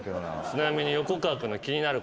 ちなみに。